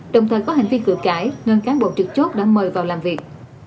đồng thời có hành vi cửa cãi nên cán bộ trực chốt đã mời vào làm việc